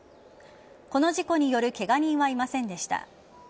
この事故によるケガ人はいませんでした。